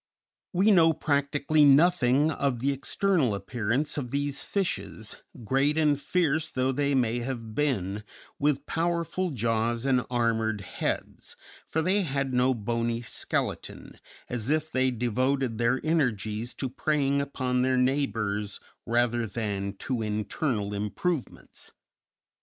We know practically nothing of the external appearance of these fishes, great and fierce though they may have been, with powerful jaws and armored heads, for they had no bony skeleton as if they devoted their energies to preying upon their neighbors rather than to internal improvements.